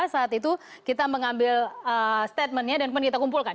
saat itu kita mengambil statementnya dan kemudian kita kumpulkan